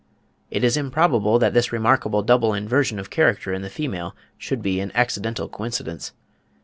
It is improbable that this remarkable double inversion of character in the female should be an accidental coincidence.